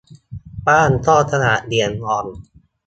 บ้านก็สะอาดเอี่ยมอ่อง